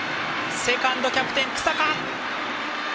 セカンド、キャプテン日下。